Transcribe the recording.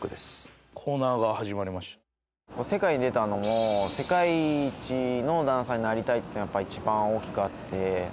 世界に出たのも世界一のダンサーになりたいってのはやっぱ一番大きくあって。